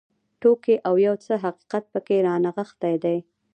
ټوکې او یو څه حقیقت پکې رانغښتی دی.